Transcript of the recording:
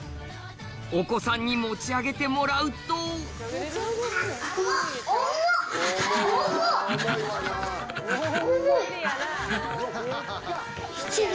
お子さんに持ち上げてもらうと重い！